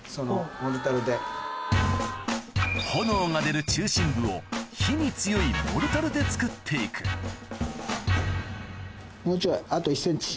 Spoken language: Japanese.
炎が出る中心部を火に強いモルタルで作って行くもうちょい。